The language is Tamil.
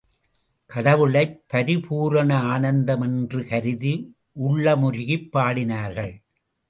கடவுளை பரிபூரணானந்தம் என்று கருதி உள்ளமுருகிப் பாடினார்கள்.